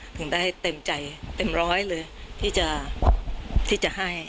ถึงได้เต็มใจเต็มร้อยเลยที่จะให้